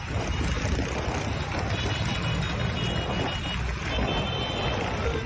สวัสดีครับ